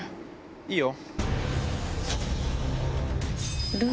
いいよ。